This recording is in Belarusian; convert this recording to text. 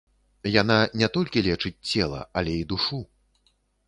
Яна не толькі лечыць цела, але і душу.